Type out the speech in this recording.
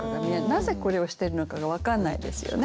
なぜこれをしてるのかが分かんないですよね。